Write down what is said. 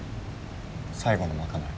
最後の賄い。